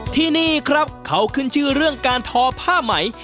ที่นี่ครับเขาขึ้นชื่อเรื่องการทอผ้าไหม